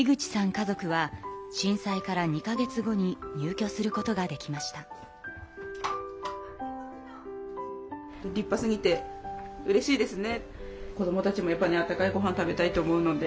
家族は震災から２か月後に入居することができました。と思いますね。